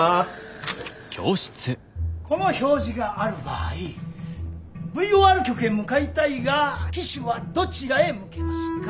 この表示がある場合ＶＯＲ局へ向かいたいが機首はどちらへ向けますか？